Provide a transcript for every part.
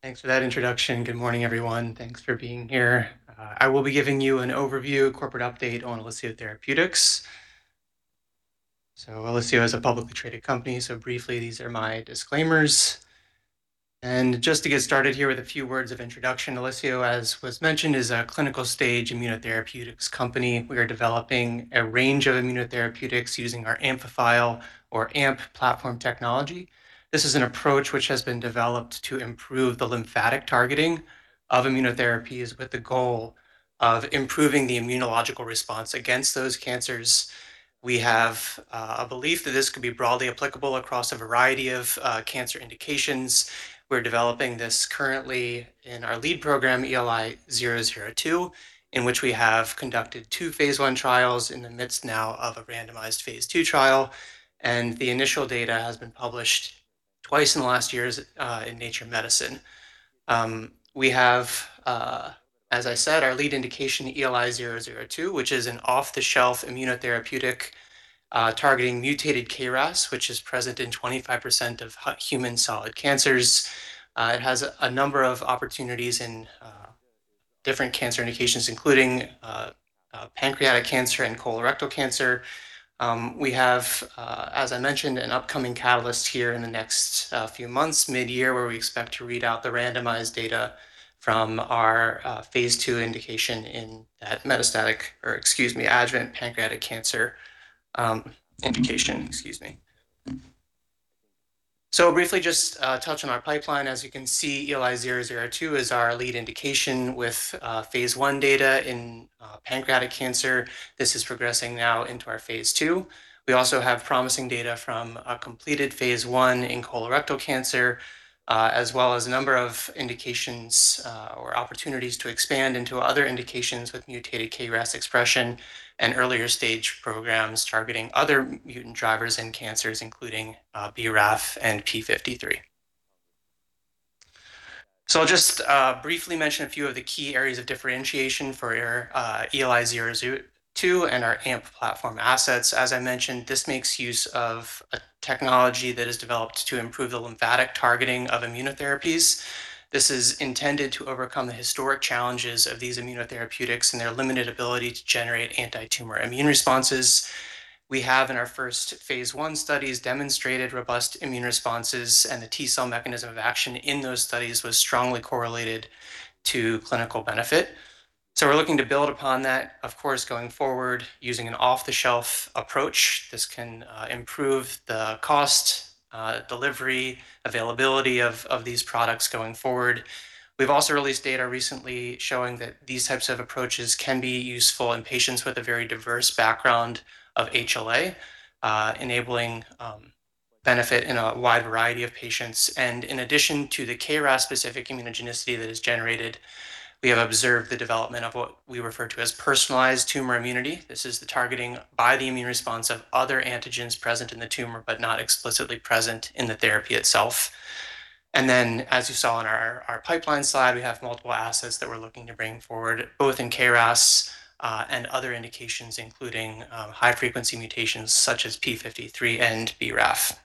Thanks for that introduction. Good morning, everyone. Thanks for being here. I will be giving you an overview, a corporate update on Elicio Therapeutics. Elicio is a publicly traded company, so briefly, these are my disclaimers. Just to get started here with a few words of introduction, Elicio, as was mentioned, is a clinical stage immunotherapeutics company. We are developing a range of immunotherapeutics using our amphiphile or AMP platform technology. This is an approach which has been developed to improve the lymphatic targeting of immunotherapies with the goal of improving the immunological response against those cancers. We have a belief that this could be broadly applicable across a variety of cancer indications. We're developing this currently in our lead program, ELI-002, in which we have conducted two phase I trials in the midst now of a randomized phase II trial. The initial data has been published twice in the last years in Nature Medicine. We have, as I said, our lead indication, ELI-002, which is an off-the-shelf immunotherapeutic, targeting mutated KRAS, which is present in 25% of human solid cancers. It has a number of opportunities in different cancer indications, including pancreatic cancer and colorectal cancer. We have, as I mentioned, an upcoming catalyst here in the next few months, mid-year, where we expect to read out the randomized data from our phase II indication in metastatic, or excuse me, adjuvant pancreatic cancer indication. Excuse me. Briefly just touch on our pipeline. As you can see, ELI-002 is our lead indication with phase I data in pancreatic cancer. This is progressing now into our phase II. We also have promising data from a completed phase I in colorectal cancer, as well as a number of indications or opportunities to expand into other indications with mutated KRAS expression and earlier stage programs targeting other mutant drivers in cancers, including BRAF and P53. I'll just briefly mention a few of the key areas of differentiation for your ELI-002 and our AMP platform assets. As I mentioned, this makes use of a technology that is developed to improve the lymphatic targeting of immunotherapies. This is intended to overcome the historic challenges of these immunotherapeutics and their limited ability to generate antitumor immune responses. We have in our first phase I studies demonstrated robust immune responses, and the T cell mechanism of action in those studies was strongly correlated to clinical benefit. We're looking to build upon that, of course, going forward using an off-the-shelf approach. This can improve the cost, delivery, availability of these products going forward. We've also released data recently showing that these types of approaches can be useful in patients with a very diverse background of HLA, enabling benefit in a wide variety of patients. In addition to the KRAS-specific immunogenicity that is generated, we have observed the development of what we refer to as personalized tumor immunity. This is the targeting by the immune response of other antigens present in the tumor but not explicitly present in the therapy itself. As you saw on our pipeline slide, we have multiple assets that we're looking to bring forward, both in KRAS and other indications, including high-frequency mutations such as P53 and BRAF.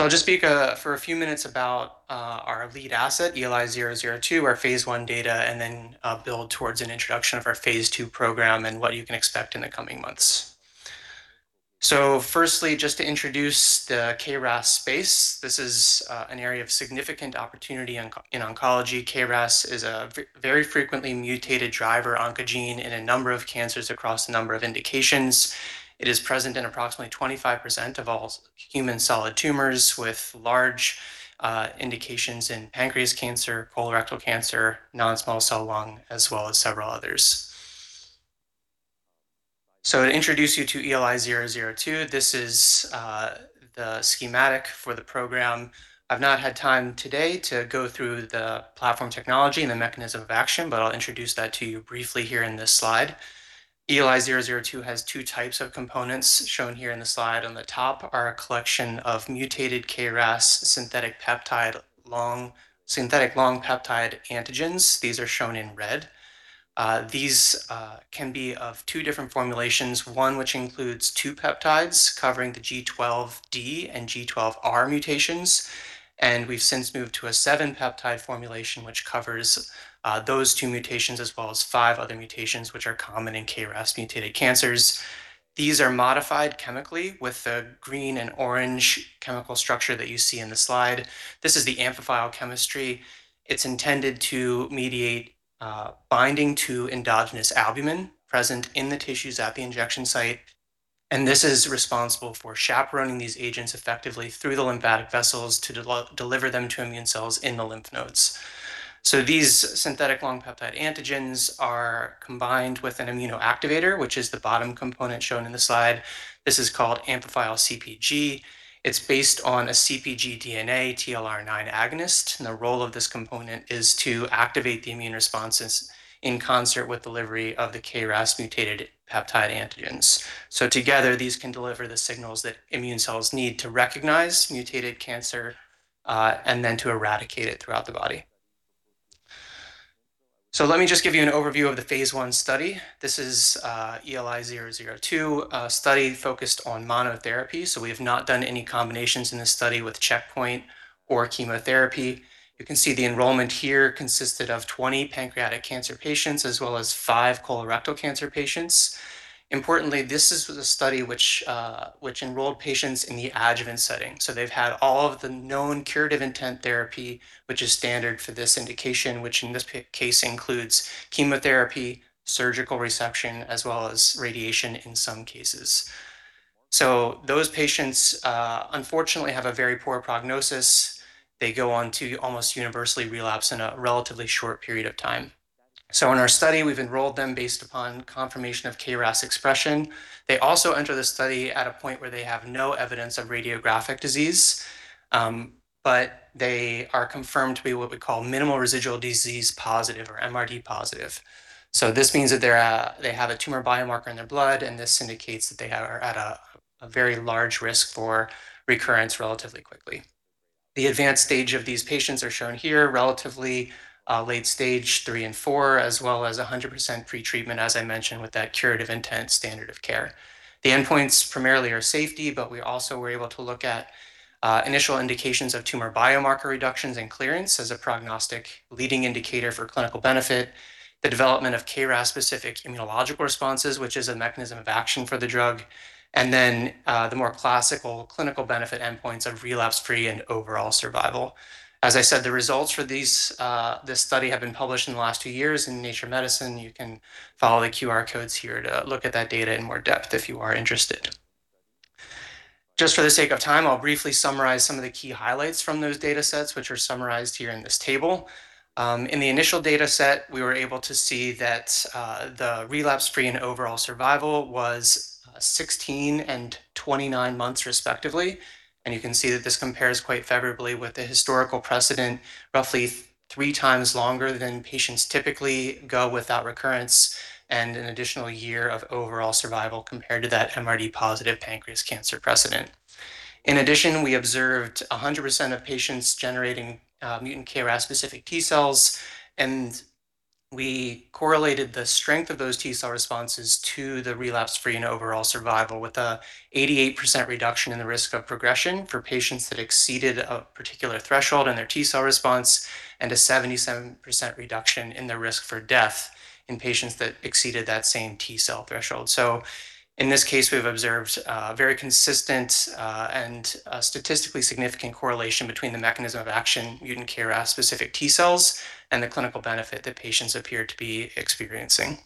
I'll just speak for a few minutes about our lead asset, ELI-002, our phase I data, and build towards an introduction of our phase II program and what you can expect in the coming months. Firstly, just to introduce the KRAS space, this is an area of significant opportunity in oncology. KRAS is a very frequently mutated driver oncogene in a number of cancers across a number of indications. It is present in approximately 25% of all human solid tumors with large indications in pancreas cancer, colorectal cancer, non-small cell lung, as well as several others. To introduce you to ELI-002, this is the schematic for the program. I've not had time today to go through the platform technology and the mechanism of action, but I'll introduce that to you briefly here in this slide. ELI-002 has two types of components shown here in the slide. On the top are a collection of mutated KRAS synthetic long peptide antigens. These are shown in red. These can be of two different formulations, one which includes two peptides covering the G12D and G12R mutations. We've since moved to a 7-peptide formulation, which covers those two mutations, as well as five other mutations, which are common in KRAS mutated cancers. These are modified chemically with the green and orange chemical structure that you see in the slide. This is the amphiphile chemistry. It's intended to mediate binding to endogenous albumin present in the tissues at the injection site. This is responsible for chaperoning these agents effectively through the lymphatic vessels to deliver them to immune cells in the lymph nodes. These synthetic long peptide antigens are combined with an immunoactivator, which is the bottom component shown in the slide. This is called amphiphile CpG. It's based on a CpG DNA TLR9 agonist, the role of this component is to activate the immune responses in concert with delivery of the KRAS mutated peptide antigens. Together, these can deliver the signals that immune cells need to recognize mutated cancer and then to eradicate it throughout the body. Let me just give you an overview of the phase I study. This is ELI-002, a study focused on monotherapy, so we have not done any combinations in this study with checkpoint or chemotherapy. You can see the enrollment here consisted of 20 pancreatic cancer patients as well as five colorectal cancer patients. Importantly, this is for the study which enrolled patients in the adjuvant setting. They've had all of the known curative intent therapy, which is standard for this indication, which in this case includes chemotherapy, surgical resection, as well as radiation in some cases. Those patients, unfortunately have a very poor prognosis. They go on to almost universally relapse in a relatively short period of time. In our study, we've enrolled them based upon confirmation of KRAS expression. They also enter the study at a point where they have no evidence of radiographic disease, but they are confirmed to be what we call minimal residual disease positive or MRD positive. This means that they have a tumor biomarker in their blood, and this indicates that they are at a very large risk for recurrence relatively quickly. The advanced stage of these patients are shown here, relatively, late stage three and four, as well as 100% pretreatment, as I mentioned, with that curative intent standard of care. The endpoints primarily are safety, but we also were able to look at initial indications of tumor biomarker reductions and clearance as a prognostic leading indicator for clinical benefit, the development of KRAS-specific immunological responses, which is a mechanism of action for the drug, and then, the more classical clinical benefit endpoints of relapse-free and overall survival. As I said, the results for these, this study have been published in the last two years in Nature Medicine. You can follow the QR codes here to look at that data in more depth if you are interested. Just for the sake of time, I'll briefly summarize some of the key highlights from those datasets, which are summarized here in this table. In the initial dataset, we were able to see that the relapse-free and overall survival was 16 and 29 months respectively. You can see that this compares quite favorably with the historical precedent, roughly three times longer than patients typically go without recurrence and an additional year of overall survival compared to that MRD positive pancreas cancer precedent. In addition, we observed 100% of patients generating mutant KRAS-specific T-cells, and we correlated the strength of those T-cell responses to the relapse-free and overall survival with an 88% reduction in the risk of progression for patients that exceeded a particular threshold in their T-cell response and a 77% reduction in the risk for death in patients that exceeded that same T-cell threshold. In this case, we've observed a very consistent and a statistically significant correlation between the mechanism of action, mutant KRAS-specific T-cells and the clinical benefit that patients appear to be experiencing.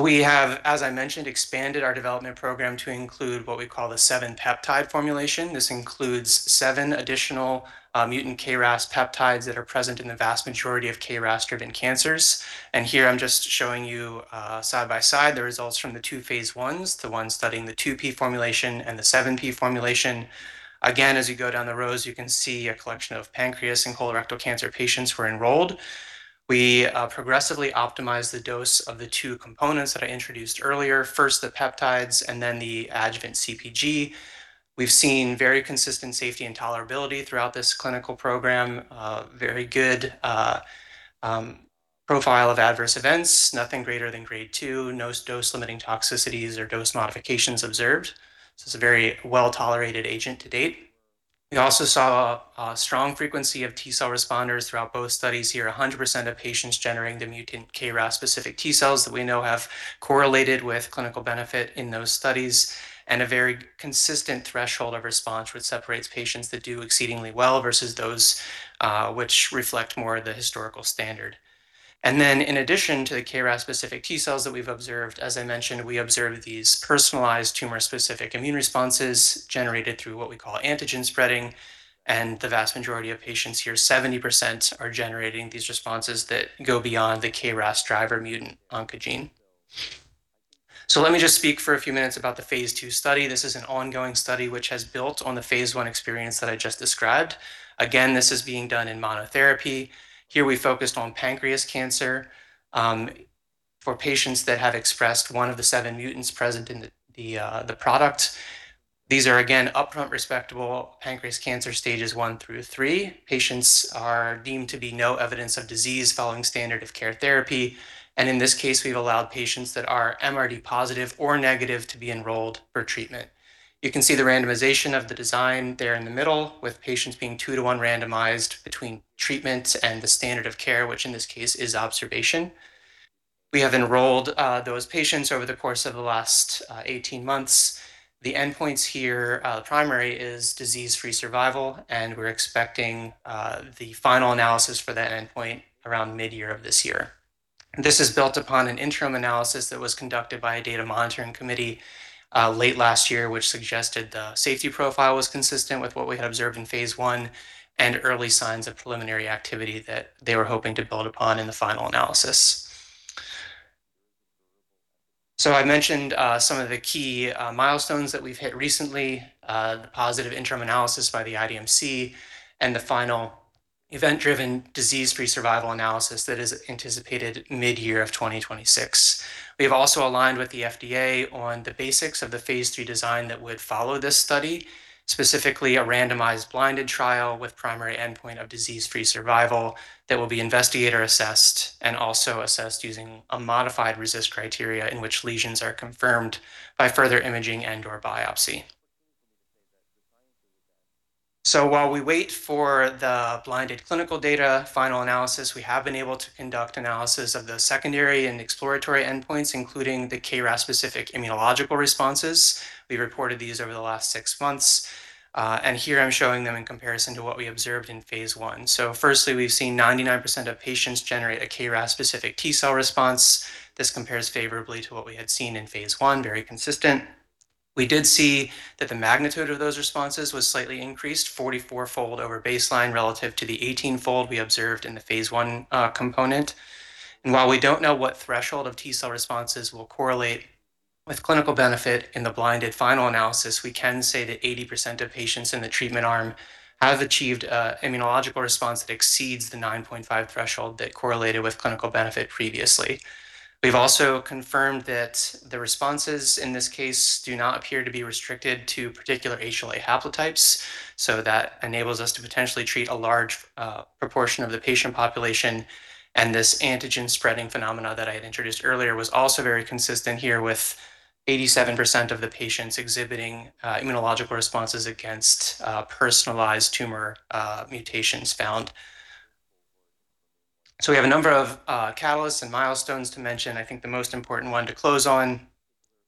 We have, as I mentioned, expanded our development program to include what we call the 7-peptide formulation. This includes seven additional mutant KRAS peptides that are present in the vast majority of KRAS-driven cancers. Here I'm just showing you side by side the results from the two phase I, the one studying the 2P formulation and the 7P formulation. Again, as you go down the rows, you can see a collection of pancreas and colorectal cancer patients were enrolled. We progressively optimized the dose of the two components that I introduced earlier. First, the peptides and then the adjuvant CpG. We've seen very consistent safety and tolerability throughout this clinical program. Very good profile of adverse events. Nothing greater than grade 2. No dose-limiting toxicities or dose modifications observed. It's a very well-tolerated agent to date. We also saw a strong frequency of T-cell responders throughout both studies here. 100% of patients generating the mutant KRAS-specific T-cells that we know have correlated with clinical benefit in those studies. A very consistent threshold of response, which separates patients that do exceedingly well versus those which reflect more of the historical standard. In addition to the KRAS-specific T-cells that we've observed, as I mentioned, we observed these personalized tumor-specific immune responses generated through what we call antigen spreading. The vast majority of patients here, 70%, are generating these responses that go beyond the KRAS driver mutant oncogene. Let me just speak for a few minutes about the phase II study. This is an ongoing study which has built on the phase I experience that I just described. Again, this is being done in monotherapy. Here we focused on pancreas cancer, for patients that have expressed one of the seven mutants present in the product. These are again upfront resectable pancreas cancer stages one through three. Patients are deemed to be no evidence of disease following standard of care therapy. In this case, we've allowed patients that are MRD positive or negative to be enrolled for treatment. You can see the randomization of the design there in the middle with patients being two to one randomized between treatment and the standard of care, which in this case is observation. We have enrolled those patients over the course of the last 18 months. The endpoints here, the primary is disease-free survival, and we're expecting the final analysis for that endpoint around mid-year of this year. This is built upon an interim analysis that was conducted by a data monitoring committee, late last year, which suggested the safety profile was consistent with what we had observed in phase I and early signs of preliminary activity that they were hoping to build upon in the final analysis. I mentioned, some of the key milestones that we've hit recently, the positive interim analysis by the IDMC and the final event-driven disease-free survival analysis that is anticipated mid-year of 2026. We have also aligned with the FDA on the basics of the phase III design that would follow this study, specifically a randomized blinded trial with primary endpoint of disease-free survival that will be investigator assessed and also assessed using a modified RECIST criteria in which lesions are confirmed by further imaging and/or biopsy. While we wait for the blinded clinical data final analysis, we have been able to conduct analysis of the secondary and exploratory endpoints, including the KRAS-specific immunological responses. We reported these over the last six months, and here I'm showing them in comparison to what we observed in phase I. Firstly, we've seen 99% of patients generate a KRAS-specific T-cell response. This compares favorably to what we had seen in phase I, very consistent. We did see that the magnitude of those responses was slightly increased 44-fold over baseline relative to the 18-fold we observed in the phase I component. While we don't know what threshold of T-cell responses will correlate with clinical benefit in the blinded final analysis, we can say that 80% of patients in the treatment arm have achieved an immunological response that exceeds the 9.5 threshold that correlated with clinical benefit previously. We've also confirmed that the responses in this case do not appear to be restricted to particular HLA haplotypes, that enables us to potentially treat a large proportion of the patient population. This antigen spreading phenomena that I had introduced earlier was also very consistent here with 87% of the patients exhibiting immunological responses against personalized tumor mutations found. We have a number of catalysts and milestones to mention. I think the most important one to close on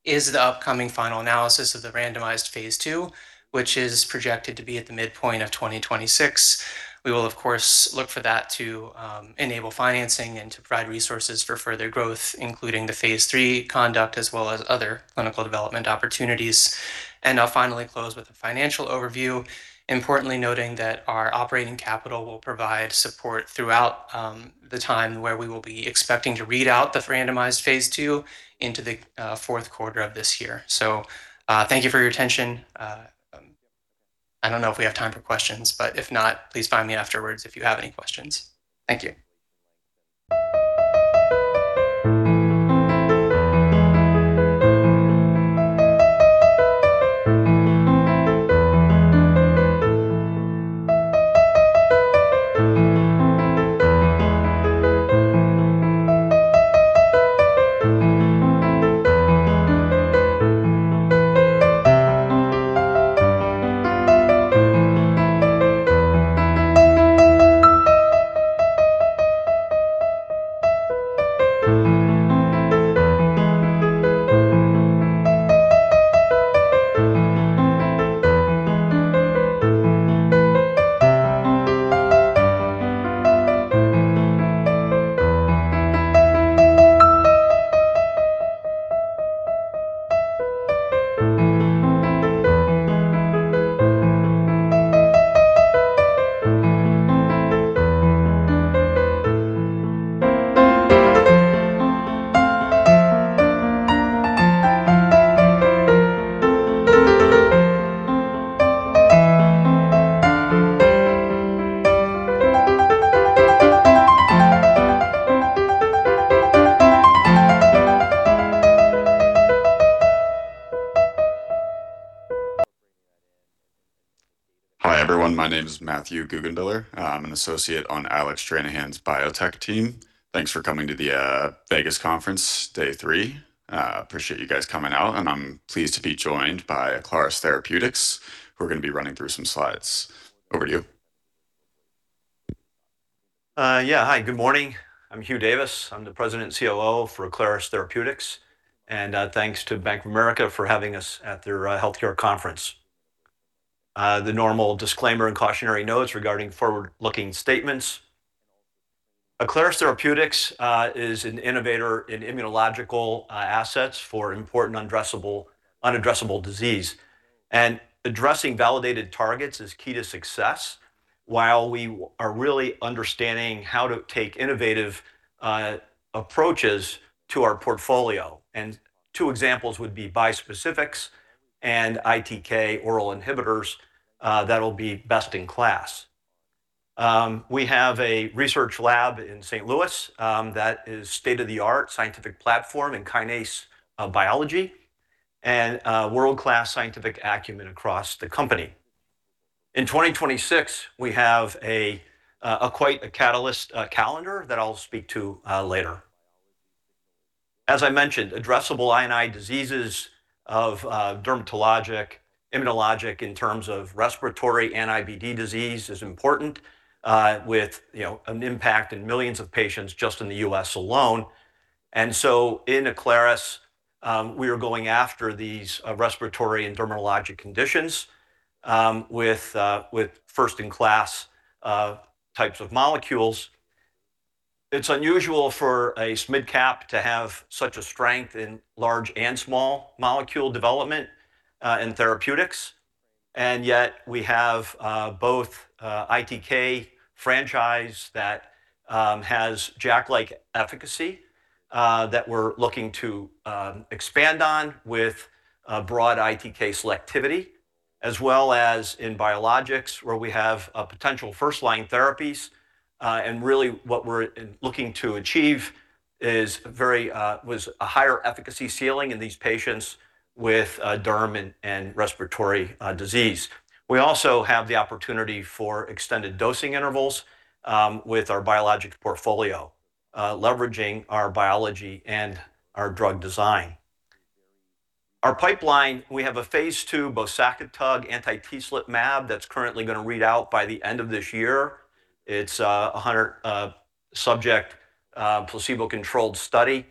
is the upcoming final analysis of the randomized phase II, which is projected to be at the midpoint of 2026. We will, of course, look for that to enable financing and to provide resources for further growth, including the phase III conduct as well as other clinical development opportunities. I'll finally close with a financial overview, importantly noting that our operating capital will provide support throughout the time where we will be expecting to read out the randomized phase II into the fourth quarter of this year. Thank you for your attention. I don't know if we have time for questions, but if not, please find me afterwards if you have any questions. Thank you. Hi, everyone. My name is Matthew Guggenbiller. I'm an associate on Alec Stranahan's biotech team. Thanks for coming to the Vegas conference, day three. Appreciate you guys coming out, and I'm pleased to be joined by Aclaris Therapeutics, who are gonna be running through some slides. Over to you. Yeah. Hi, good morning. I'm Hugh Davis. I'm the President and COO for Aclaris Therapeutics. Thanks to Bank of America for having us at their healthcare conference. The normal disclaimer and cautionary notes regarding forward-looking statements. Aclaris Therapeutics is an innovator in immunological assets for important unaddressable disease. Addressing validated targets is key to success while we are really understanding how to take innovative approaches to our portfolio. Two examples would be bispecifics and ITK oral inhibitors that'll be best in class. We have a research lab in St. Louis that is state-of-the-art scientific platform in kinase biology and world-class scientific acumen across the company. In 2026, we have a quite a catalyst calendar that I'll speak to later. As I mentioned, addressable inflammatory diseases of dermatologic, immunologic in terms of respiratory and IBD disease is important, with, you know, an impact in millions of patients just in the U.S. alone. In Aclaris, we are going after these respiratory and dermatologic conditions with first-in-class types of molecules. It's unusual for a mid-cap to have such a strength in large and small molecule development and therapeutics. Yet we have both ITK franchise that has JAK-like efficacy. That we're looking to expand on with broad ITK selectivity, as well as in biologics, where we have potential first-line therapies. Really what we're looking to achieve is very was a higher efficacy ceiling in these patients with derm and respiratory disease. We also have the opportunity for extended dosing intervals with our biologics portfolio, leveraging our biology and our drug design. We have a phase II bosakitug anti-TSLP mAb that's currently gonna read out by the end of this year. It's a 100 subject placebo-controlled study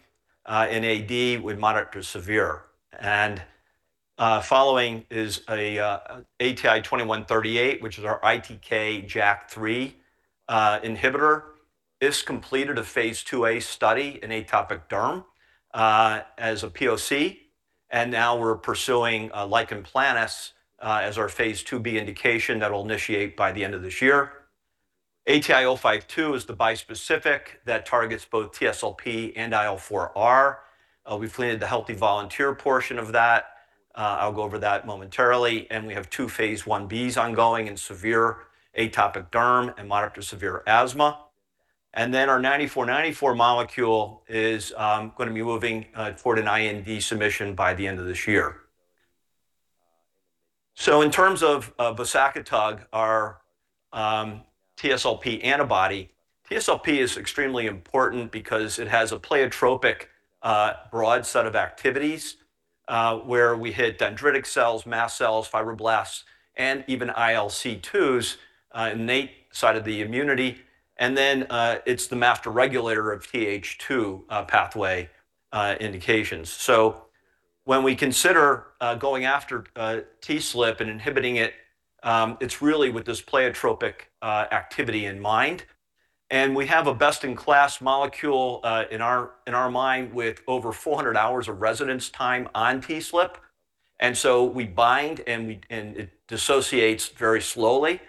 in AD with moderate to severe. Following is ATI-2138, which is our ITK/JAK3 inhibitor. This completed a phase IIa study in atopic derm as a POC. Now we're pursuing lichen planus as our phase IIb indication that'll initiate by the end of this year. ATI-052 is the bispecific that targets both TSLP and IL-4R. We've completed the healthy volunteer portion of that, I'll go over that momentarily. We have two phase Ibs ongoing in severe atopic derm and moderate to severe asthma. Our 9494 molecule is gonna be moving toward an IND submission by the end of this year. In terms of bosakitug, our TSLP antibody, TSLP is extremely important because it has a pleiotropic, broad set of activities, where we hit dendritic cells, mast cells, fibroblasts, and even ILC2s, innate side of the immunity, it's the master regulator of TH2 pathway indications. When we consider going after TSLP and inhibiting it's really with this pleiotropic activity in mind. We have a best-in-class molecule in our mind with over 400 hours of residence time on TSLP. We bind, and it dissociates very slowly,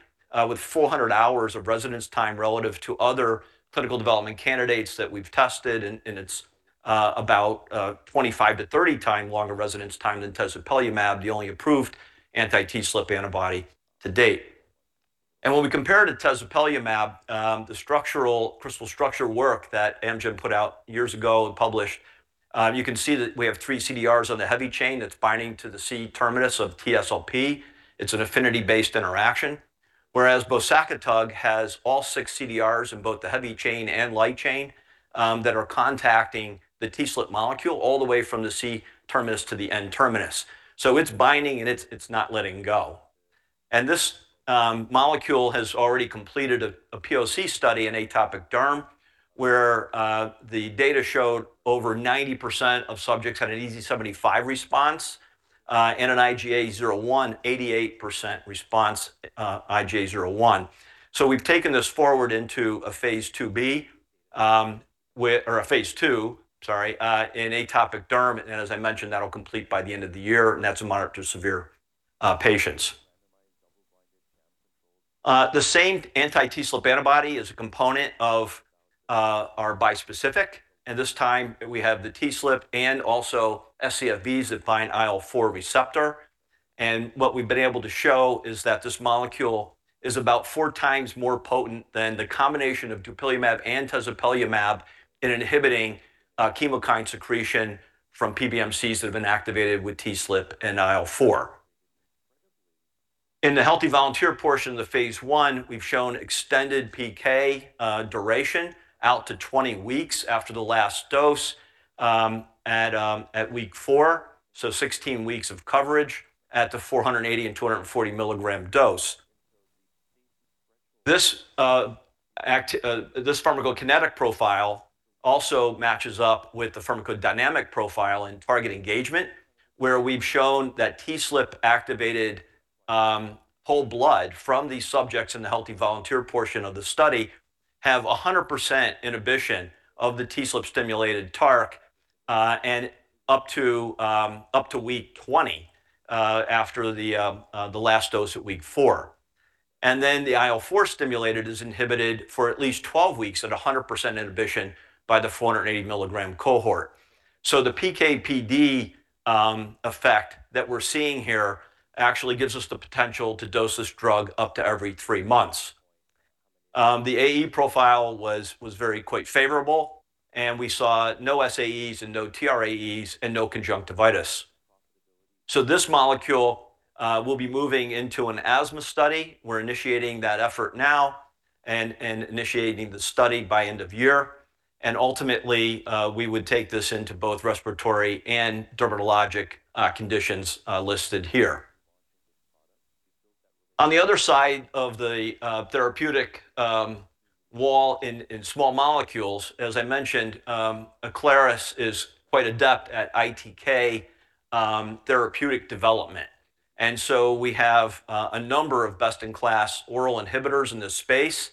with 400 hours of residence time relative to other clinical development candidates that we've tested, and it's about 25-30 times longer residence time than tezepelumab, the only approved anti-TSLP antibody to date. When we compare to tezepelumab, the structural crystal structure work that Amgen put out years ago and published, you can see that we have three CDRs on the heavy chain that's binding to the C terminus of TSLP. It's an affinity-based interaction. Whereas bosakitug has all six CDRs in both the heavy chain and light chain that are contacting the TSLP molecule all the way from the C terminus to the N terminus. It's binding, and it's not letting go. This molecule has already completed a POC study in atopic derm, where the data showed over 90% of subjects had an EASI 75 response, and an IGA 0/1 88% response, IGA 0/1. We've taken this forward into a phase IIb, or a phase II, sorry, in atopic derm, and as I mentioned, that'll complete by the end of the year, and that's in moderate to severe patients. The same anti-TSLP antibody is a component of our bispecific, and this time we have the TSLP and also scFvs that bind IL-4R. What we've been able to show is that this molecule is about four times more potent than the combination of dupilumab and tezepelumab in inhibiting chemokine secretion from PBMCs that have been activated with TSLP and IL-4. In the healthy volunteer portion of the phase I, we've shown extended PK duration out to 20 weeks after the last dose, at week four, so 16 weeks of coverage at the 480 and 240 milligram dose. This pharmacokinetic profile also matches up with the pharmacodynamic profile in target engagement, where we've shown that TSLP-activated whole blood from these subjects in the healthy volunteer portion of the study have 100% inhibition of the TSLP-stimulated TARC and up to week 20 after the last dose at week four. The IL-4 stimulated is inhibited for at least 12 weeks at 100% inhibition by the 480 milligram cohort. The PK/PD effect that we're seeing here actually gives us the potential to dose this drug up to every three months. The AE profile was very quite favorable, and we saw no SAEs and no TRAEs and no conjunctivitis. This molecule will be moving into an asthma study. We're initiating that effort now and initiating the study by end of year, and ultimately, we would take this into both respiratory and dermatologic conditions listed here. On the other side of the therapeutic wall in small molecules, as I mentioned, Aclaris is quite adept at ITK therapeutic development. We have a number of best-in-class oral inhibitors in this space.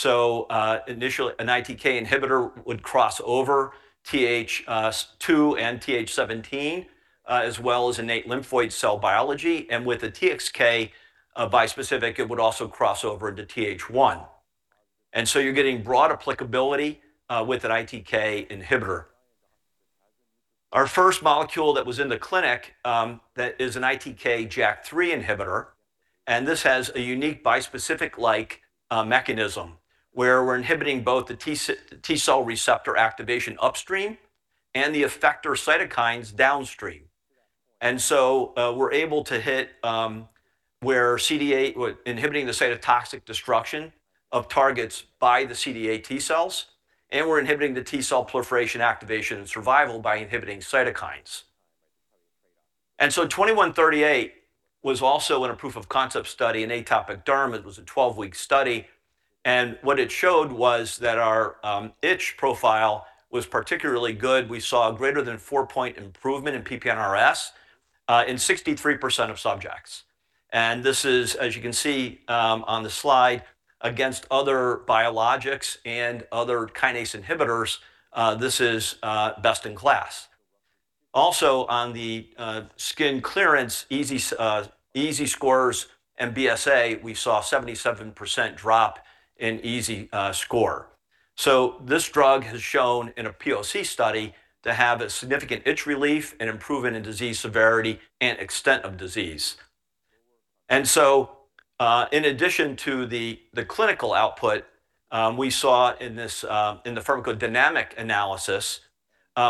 Initially an ITK inhibitor would cross over TH2 and TH17. As well as innate lymphoid cell biology, with the TXK bispecific, it would also cross over into TH1. You're getting broad applicability with an ITK inhibitor. Our first molecule that was in the clinic that is an ITK/JAK3 inhibitor, this has a unique bispecific-like mechanism, where we're inhibiting both the T cell receptor activation upstream and the effector cytokines downstream. We're able to hit where CD8. We're inhibiting the cytotoxic destruction of targets by the CD8 T cells, we're inhibiting the T cell proliferation activation and survival by inhibiting cytokines. ATI-2138 was also in a proof of concept study in atopic derm. It was a 12-week study, what it showed was that our itch profile was particularly good. We saw a greater than 4-point improvement in PP-NRS in 63% of subjects. This is, as you can see, on the slide, against other biologics and other kinase inhibitors, this is best in class. Also, on the skin clearance, EASI scores and BSA, we saw 77% drop in EASI score. This drug has shown in a POC study to have a significant itch relief, an improvement in disease severity, and extent of disease. In addition to the clinical output, we saw in this in the pharmacodynamic analysis,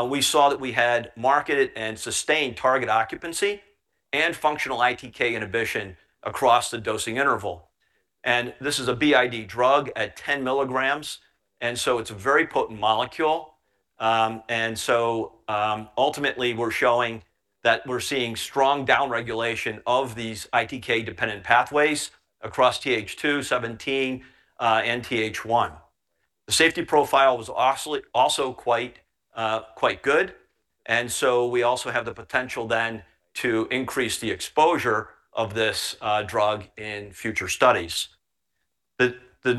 we saw that we had marketed and sustained target occupancy and functional ITK inhibition across the dosing interval. This is a BID drug at 10 milligrams, and so it's a very potent molecule. Ultimately, we're showing that we're seeing strong downregulation of these ITK-dependent pathways across TH2, TH17, and TH1. The safety profile was also quite good, and so we also have the potential then to increase the exposure of this drug in future studies. The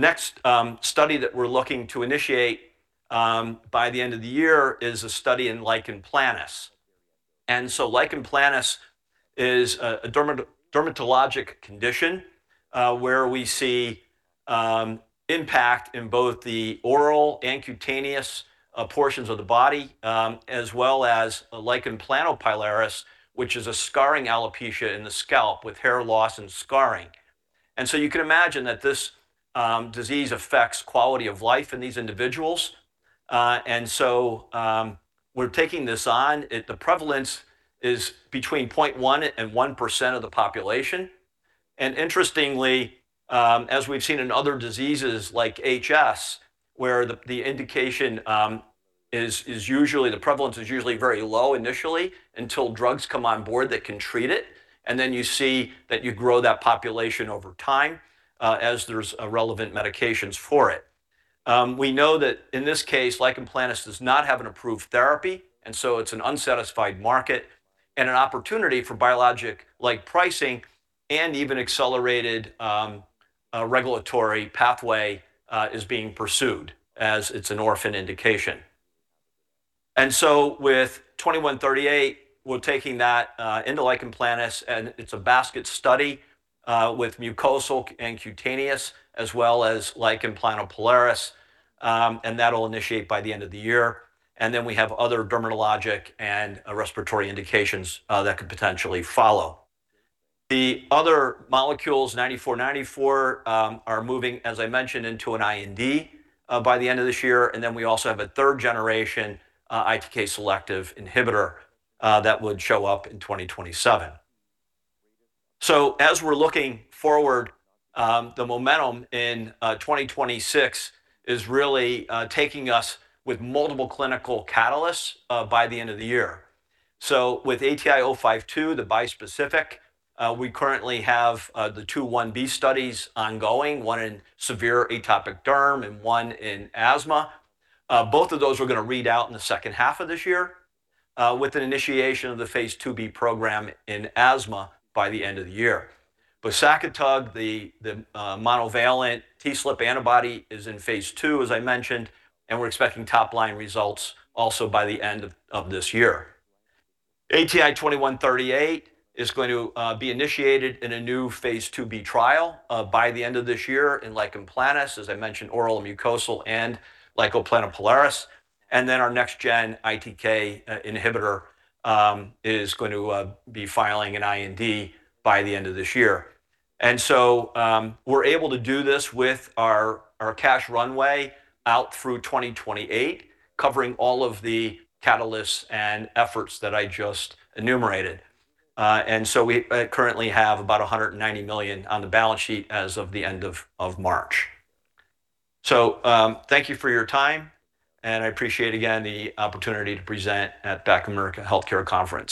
next study that we're looking to initiate by the end of the year is a study in lichen planus. Lichen planus is a dermatologic condition, where we see impact in both the oral and cutaneous portions of the body, as well as a lichen planopilaris, which is a scarring alopecia in the scalp with hair loss and scarring. You can imagine that this disease affects quality of life in these individuals. We're taking this on. The prevalence is between 0.1 and 1% of the population. Interestingly, as we've seen in other diseases like HS, where the indication is usually the prevalence is usually very low initially until drugs come on board that can treat it, and then you see that you grow that population over time, as there's relevant medications for it. We know that in this case, lichen planus does not have an approved therapy, it's an unsatisfied market, and an opportunity for biologic-like pricing and even accelerated regulatory pathway is being pursued as it's an orphan indication. With ATI-2138, we're taking that into lichen planus, and it's a basket study with mucosal and cutaneous, as well as lichen planopilaris, and that'll initiate by the end of the year. We have other dermatologic and respiratory indications that could potentially follow. The other molecules, ATI-9494, are moving, as I mentioned, into an IND by the end of this year, and then we also have a third-generation ITK selective inhibitor that would show up in 2027. As we're looking forward, the momentum in 2026 is really taking us with multiple clinical catalysts by the end of the year. With ATI-052, the bispecific, we currently have the two phase I-B studies ongoing, one in severe atopic derm and one in asthma. Both of those we're gonna read out in the second half of this year, with an initiation of the phase II-B program in asthma by the end of the year. bosakitug, the monovalent TSLP antibody is in phase II, as I mentioned, and we're expecting top-line results also by the end of this year. ATI-2138 is going to be initiated in a new phase II-B trial by the end of this year in lichen planus, as I mentioned, oral mucosal and lichen planopilaris. Our next gen ITK inhibitor is going to be filing an IND by the end of this year. We're able to do this with our cash runway out through 2028, covering all of the catalysts and efforts that I just enumerated. We currently have about $190 million on the balance sheet as of the end of March. Thank you for your time, and I appreciate, again, the opportunity to present at Bank of America Healthcare Conference.